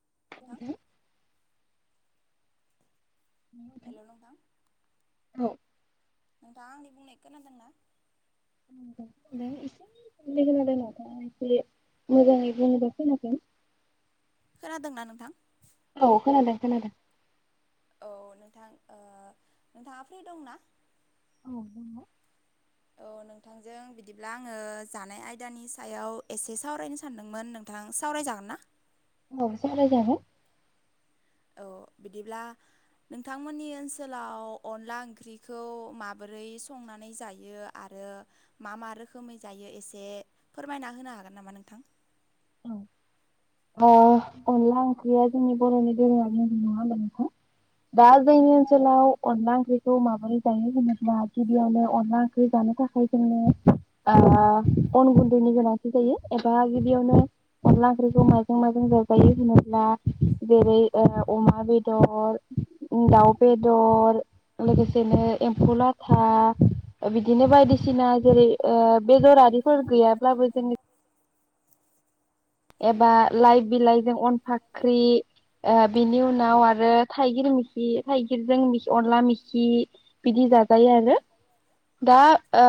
[unintelligible] औ नोंथाङा आंनि बुंनाय खोनादोंना? [unintelligible] खोनादोंना नोंथां? औ खोनादों खोनादों औ नोंथां ओ नोंथाङा फ्रि दंना? [unintelligible] औ नोंथांजों बिदिब्ला आङो जानाय आयदानि सायाव एसे सावरायनो सानदोंमोन नोंथां सावरायजागोन ना? औ सावरायजागोन औ बिदिब्ला नोंथांमोननि ओनसोलाव अनला ओंख्रिखौ माबोरै संनानै जायो आरो मा मा रोखोमै जायो एसे फोरमायना होनो हागोन नामा नोंथां? ओ अनला ओंख्रिया जोंनि बर'नि दोरोङारि नङा होनबा नोंथां दा जोंनि ओनसोलाव अनला ओंख्रिखौ माबोरै जायो होनोब्ला गिबियावनो अनला ओंख्रि जानो थाखाय जोंङो ओ अन गुन्दैनि गोनांथि जायो एबा गिबियावनो अनला ओंख्रिखौ जों माजों जाजायो होनोब्ला जेरै ओ अमा बेदर, दाउ बेदर लोगोसेनो एम्फौ लाथा बिदिनो बायदिसिना जेरै ओ बेदर आरिफोर गैयाब्लाबो जों एबा लाइ बिलाइ जों अन फाख्रि ओ बेनि उनाव आरो थाइगिर मिखि थाइगिरजों अनला मिखि बिदि जाजायो आरो दा ओ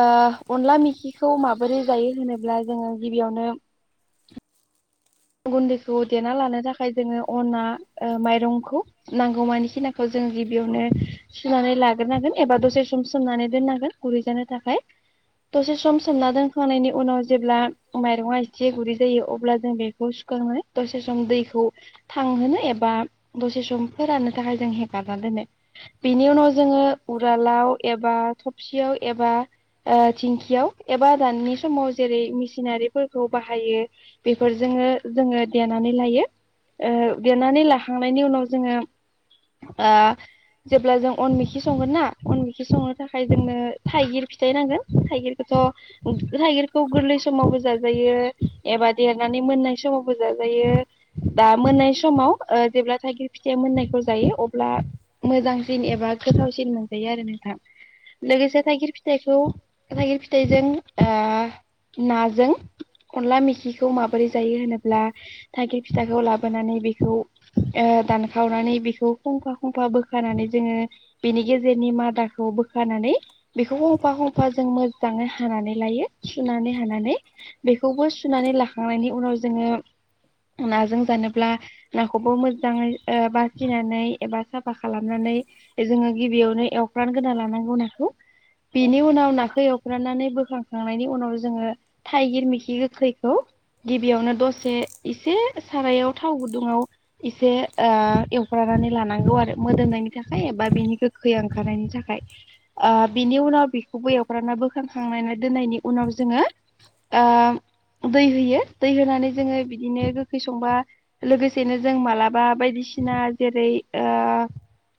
अनला मेखिखौ माबोरै जायो होनोब्ला जोङो गिबियावनो गुन्दैखौ देना लानो थाखाय जोङो अना ओ माइरंखौ नांगौमानि खिनाखौ जोंङो गिबियावनो सुनानै लाग्रोनांगोन एबा दसे सम सोमनानै दोननांगोन गुरैजानो थाखाय दसे सम सोमना दोनखांनायनि उनाव जेब्ला माइरंआ जे गुरै जायो अब्ला जों बे खौ सुखांनो दसे दैखौ थांहोनो एबा दसे सम फोराननो थाखाय जों हेगारना दोनो बेनि उनाव जोङो उवालाव एबा थबसियाव एबा थिंखियाव एबा दानि समाव जेरै मेसिनारिफोरखौ बाहायो बेफोर जोङो जोङो देनानै लायो ओ देनानै लाखांनायनि उनाव जोङो ओ जेब्ला जों अनमिखि संगोन ना अनमेखि संनो थाखाय जोंनो थाइगिर फिथाइ नांगोन थाइगिरखौथ' थाइगिरखौ गोरलै समावबो जाजायो एबा देर नानै मोननाय समावबो जाजायो बा मोननाय समाव जेब्ला थाइगिर फिथाइ मोननायखौ जायो अब्ला मोजांसिन एबा गोथावसिन मोनजायो आरो नोंथां लोगोसे थाइगिर फिथाइखौ थाइगिर फिथाइजों ओ नाजों अनला मेखि माबोरै जायो होनोब्ला थाइगिर फिथाइखौ लाबोनानै बेखौ ओ दानखावनानै बिखौ खंख्ला खंख्ला बोखानानै जोङो बिनि गेजेरनि मादाखौ बोखानानै बिखौ ह'फा ह'फा जों मोजाङै हानानै लायो सुनानै हानानै बेखौबो सुनानै ला खांनायनि उनाव जोङो नाजों जानोब्ला नाखौबो मोजाङै बाखिनानै एबा साफा खालामनानै जोङो गिबियावनो एवख्रानगोना लानांगौ नाखौ बिनि उनाव नाखौ एवख्रनानै बोखांखांनायनि उनाव जोङो थाइगिर मिेखि गोखैखौ गिबियावनो दसे एसे सारायाव थाव गुदुङाव एसे ओ एवग्रोनानै लानांगौ आरो मोदोमनायनि थाखाय एबा बिनि गोखै ओंखारनायनि थाखाय ओ बिनि उनाव बेखौबो एवग्रोनानै बोखांखांनानै दोननायनि उनाव जोङो ओ दै होयो दैै होनानै जोङो बिदिनो गोखै संबा लोगोसेनो जों मालाबा बायदिसिना जेरै ओ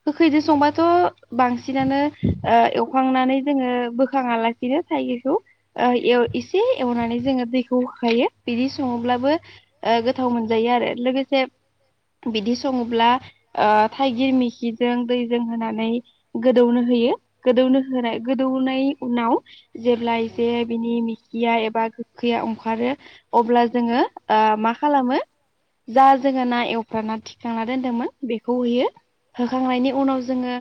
गोखैजों संबा थ' बांसिनानो ओ एवखांनानै जोङो बोखाङा लासिनो थाइगिरखौ एसे एवनानै जोङो दैखौ होखायो बिदि सङोब्लाबो ओ गोथाव मोनजायो आरो लोगोसे बिदि सङोब्ला ओ थाइगिर मिखिजों दैजों होनानै नाय गोदौनो होयो गोदौनो होनाय गोदौनाय उनाव जेब्ला जे बिनि मिखिया एबा गोखैया ओंखारो अब्ला जोङो ओ मा खालामो जा जोङो ना एवफ्रामना थिखांना दोनदोंमोन बेखौ होयो होखांनायनि उनाव जोङो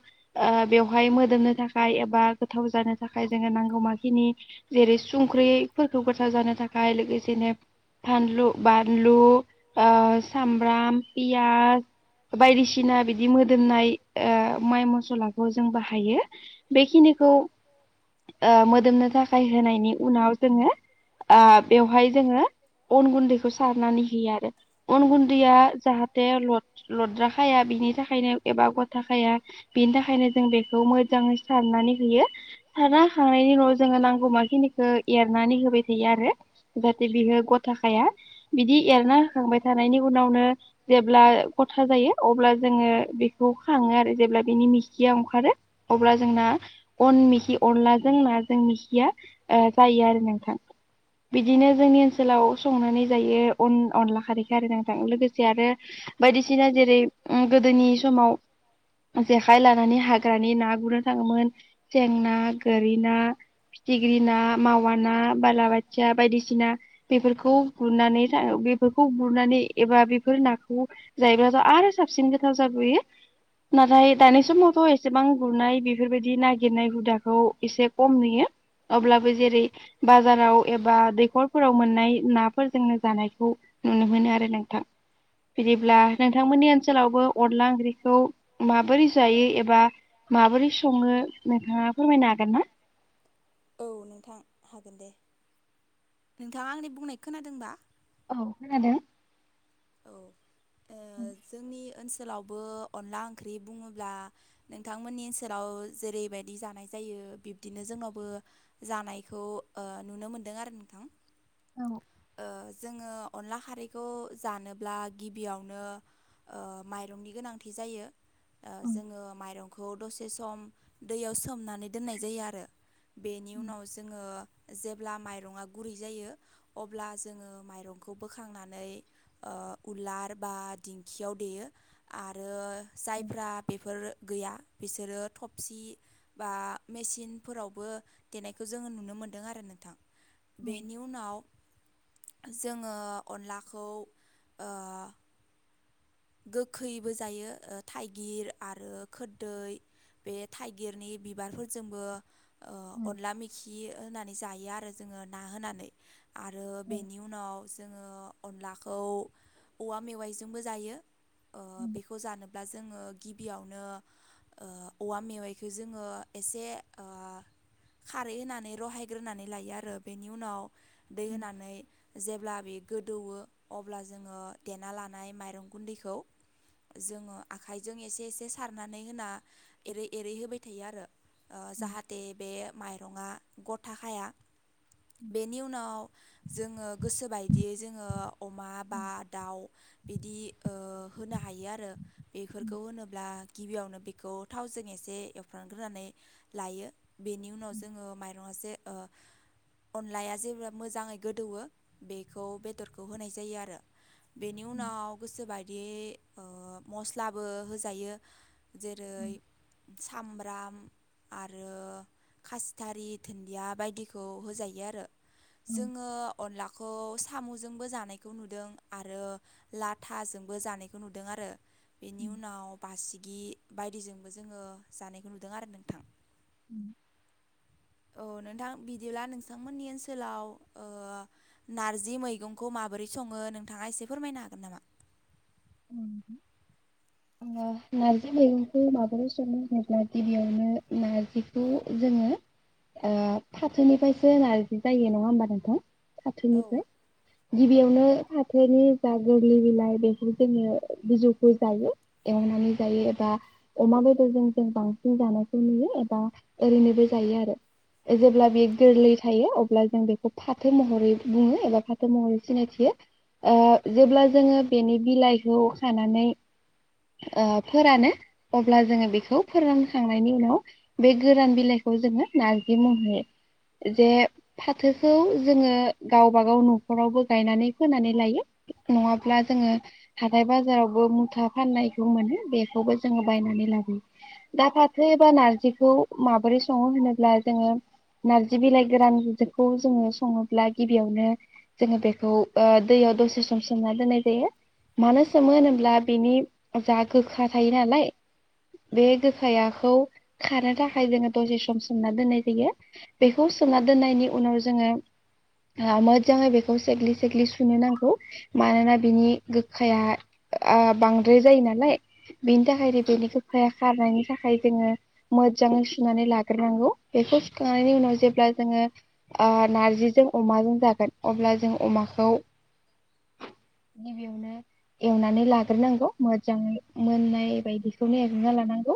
ओ बेवहाय मोदोमनो थाखाय एबा गोथाव जानो थाखाय जोङो नांगौ माखिनि जेरै संख्रिफोरखौ गोथाव जानो थाखाय लोगोसेनो फानलु बानलु ओ सामब्राम पियास बायदिसिना बिदि मोदोमनाय माइ मसलाखौ जों बाहायो बेखिनिखौ मोदोमनो थाखाय होनाय उनाव जोङो ओ बेवहाय जोङो अन गुन्दैखौ सारनानै होयो आरो अन गुन्दैया जाहाथे लद लद्रा खाया बिनि थाखायनो एबा गथ खाया बिनि थाखायनो जों बेखौ मोजाङै सारनानै होयो सारना होखांनायनि उनाव जोङो नांगौ माखिनि एरनानै होबाय थायो आरो जाहाथे बियो ग थाखाया बिदि एरना होखांबाय थानायनि उनावनो जेब्ला गथा जायो अब्ला जोङो बेखौ खाङो आरो जेब्ला बिनि मिखिया ओंखारो अब्ला जोंना अन मिखि अनलाजों नाजों मिखिया ओ जायो आरो नोंथां बिदिनो जोंनि ओनसो संनानै जायो अन अनला खारै आरो नोंथां लोगोसे आरो बायदिसिना जेरै गोदोनि समाव जेखाइ लानानै हाग्रानि ना गुरनो थाङोमोन सें ना गोरि ना फिथिख्रि ना मावा ना बालाबाथिया बायदिसिना बेखौ गुरनानै जायो बेफोरखौ गुरनानै एबा बेफोर नाखौ जाय आरो साबसिन गोथाव जाबोयो नाथाय दानि समावथ' एसेबां गुरनाय बेफोरबायदि नागिरनाय हुदाखौ एसे खम नुयो अब्लाबो जेरै बाजाराव एबा दैखरफोराव नाय नाफोरजोंनो जानायखौ नुनो मोनो आरो नोंथां बिदिब्ला नोंथांमोननि ओनसोलावबो अनला ओंख्रिखौ माबोरै जायो एबा माबोरै सङो नोंथाङा फोरमायनो हागोन ना? नोंथाङा आंनि बुंनाय खोनादोंबा? औ खोनादों। औ ओ जोंनि ओनसोल सोलावबो अनला ओंख्रि बुङोब्ला नोंथांमोननि ओनसोलाव जेरैबायदि जानाय जायो बिब्दिनो जोंनावबो जानायखौ ओ नुनो मोनदों आरो नोंथां। ओ जोङो अनला खारैखौ जानोब्ला गिबियावनो ओ माइरंनि गोनांथि जायो। ओ जोङो माइरं खौ दसे सम दैयाव सोमनानै दोननाय जायो आरो बेनि उनाव जोङो जेब्ला माइरङा गुरै जायो अब्ला जोङो माइरंखौ बोखांनानै ओ उलार बा दिंखियाव देयो आरो जायफ्रा बेफोर गैया बिसोरो थबसि बा मेसिनफोरावबो देनायखौ जोङो नुनो मोनदों आरो नोंथां। बेनि उनाव जोङो अनलाखौ ओ गोखैबो जायो ओश्रथाइगिर आरो खोरदै बे थाइगिरनि बिबारफोरजोंबो ओ अनला मेखियो होनानै जायो आरो जोङो ना होनानै। आरो बेनि उनाव जोङो अनलाखौ औवा मेवाइजोंबो जायो। ओ बेखौ जानोब्ला जोङो गिबियावनो ओ औवा मेवाइखौ जोङो एसे ओ खारै होनानै रहायग्रोनानै लायो आरो बेनि उनाव दै होनानै जेब्ला बे गोदौवो अब्ला जोङो देना लानाय माइरं गुन्दैखौ जोङो आखाइजों एसे एसे सारनानै होना एरै एरै होबाय थायो आरो। ओ जाहाथे बे माइ रङा गथा खाया। बेनि उनाव जोङो गोसो बायद दि जोङो अमा बा दाउ बिदि ओ होनो हायो आरो बेफोरखौ होनोब्ला गिबियावनो बेखौ थावजों एसे एवफ्रांग्रोनानै लायो। बेनि उनाव जोङो माइरंआ एसे ओ अनलाया जेब्ला मोजाङै गोदौवो बेखौ बेदरखौ होनाय जायो आरो। बेनि उनाव बायदि ओ मसलाबो होजायो। जेरै सामबोद ब्राम आरो खासिथारि धोन्दिया बायदिखौ होजायो आरो। जोङो अनलाखौ सामुजोंबो जानायखौ नुदों आरो ला थाजोंबो जानायखौ नुदों आरो। बेनि उनाव बासिगि बायदिजोंबो जोङो जानायखौ नुदों आरो नोंथां। उम। औ नोंथां बिदिब्ला नोंथांमोननि ओनसोलाव ओ नारजि मैगंखौ माबोरै सङो नोंथाङा एसे फोरमायनो हागोन नामा? उम। ओ नारजि मैगंखौ माबोरै सङो होनोब्ला गिबियावनो नारजिखौ जोङो ओ फाथोनिफ्रायसो नार्जि जायो नङा होमबा नोंथां फाथोनिफ्राय गिबियावनो फाथोनि जा गोरलै बिलाइ बेखौ जोङो बिजौखौ जायो एवनानै जायो एबा अमा बेदरजों जों बांसिन जानायखौ नुयो एबा ओरैनोबो जायो आरो जेब्ला बे गोरलै थायो अब्ला जों बेखौ फाथो महरै बुङो एबा फाथो महरै सिनायथियो ओ जेब्ला जोङो बेनि बिलाइखौ खानानै ओ फोरानो अब्ला जोङो बेखौ फोरानखांनायनि उनाव बे गोरान बिलाइखौ जोङो नारजि महरै जे फाथोखौ जोङो गावबागाव न'खरावबो गायनानै फोनानै लायो नङाब्ला जोङो हाथाय बाजारावबो मुथा फाननायखौ मोनो बेखौबो जोङो बायनानै लाबोयो। दा फाथो एबा नार्जिखौ माबोरै सङो होनोब्ला जोङो नार्जि बिलाइ गोरानखौ जोङो सङोब्ला गिबियावनो जोङो बेखौ ओ दैयाव दसे सम सोमना दोननाय जायो। मानो सोमो होनोब्ला बेनि जा गोखा थायो नालाय बे गोखायाखौ खारनो थाखाय जोङो दसे सम सोमना दोननाय जायो। बेखौ सोमना दोननायनि उनाव जोङो ओ मोजाङै बेखौ सेग्लि सेग्लि सुनो नांगौ मानोना बिनि गोखाया ओ बांद्राय जायो नालाय बेनि थाखायनो बेनि गोखाया खारनायनि थाखाय जोङो मोजाङै सुनानै लाग्रोनांगौ। बेखौ सुखांनायनि उनाव जेब्ला जोङो ओ नार्जिजों अमाजों जागोन अब्ला जों अमाखौ गिबियावनो एवनानै लाग्रोनांगौ मोजाङै मोननाय बायदिखौनो एवग्रोना लानांगौ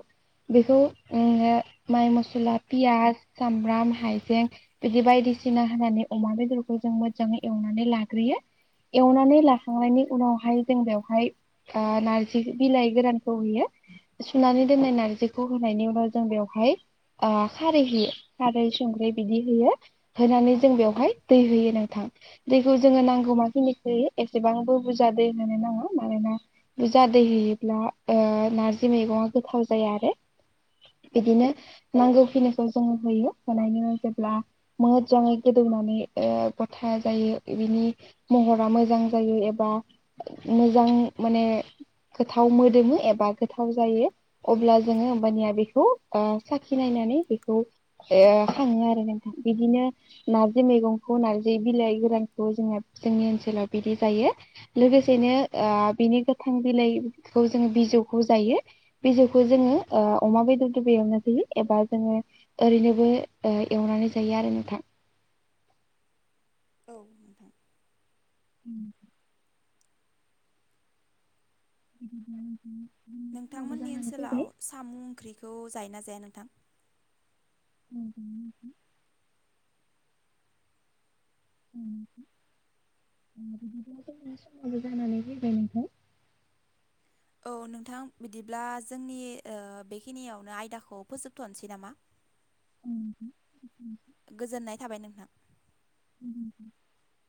बेखौ ओम माइ मसला, पियास, सामब्राम, हाइजें बिदि बायदिसिना होनानै अमा बेदरखौ जों मोजाङै एवनानै लाग्रोयो। एवनानै ला खांनायनि उनावहाय जों बेवहाय ओ नार्जि बिलाइ गोरानखौ होयो सुनानै दोननाय नार्जिखौ होनायनि उनाव जों बेवहाय ओ खारै होयो खारै संख्रि बिदि होयो होनानै जों बेवहाय दै होयो नोंथां। दैखौ जोङो नांगौ मा खिनिखो होयो एसे जेसेबांबो बुरजा दै होनो नाङा मानोना बुरजा दै होयोब्ला ओ नारजि मैगंआ गोथाव जाया आरो। बिदिनो नांगौखिनिखौ जोङो होयो होनायनि उनाव जेब्ला मोजाङै गोदौनानै ओ गथा जायो बिनि महरा मोजां जायो एबा मोजां माने गोथाव मोदोमो एबा गोथाव जायो अब्ला जोङो होमबानिया बेखौ ओ साखि नायनानै बेखौ ओ खांङो आरो नोंथां। बिदिनो नारजि मैगंखौ नारजि बिलाइ गोरानखौ जोङो जोंनि ओनसोलाव बिदि जायो लोगोसेनो ओ बिनि गोथां बिलाइखौ जोङो बिजौखौ जायो बिजौखौ जोङो ओ अमा बेदरजोंबो एवनाय जायो एबा जोङो ओरैनोबो ओ एवनानै जायो आरो नोंथां। औ नोंथां। उम। [inaudible] नोंथांमोननि ओनसोलाव सामु ओंख्रि खौ जायो ना जाया नोंथां? [unintelligible] उम बिदिब्ला जोंना समावबो जानानै फैबाय नोंथां औ नोंथां बिदिब्ला जोंनि ओ बेखिनियावनो आयदाखौ फोजोबथ'नोसै नामा [inaudible] गोजोननाय थाबाय नोंथां। [inaudible]